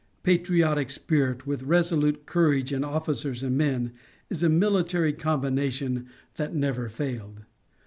Patriotic spirit, with resolute courage in officers and men, is a military combination that never failed.